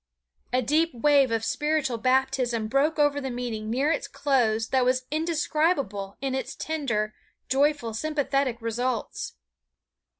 A deep wave of spiritual baptism broke over the meeting near its close that was indescribable in its tender, joyful, sympathetic results.